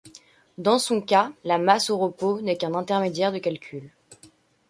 Dans son cas, la masse au repos n'est qu'un intermédiaire de calcul.